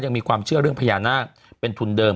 ยังมีความเชื่อเรื่องพญานาคเป็นทุนเดิม